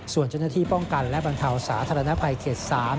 ส่วนจนนะที่ป้องกันและบางเท่าสาธารณภัยเครียด๓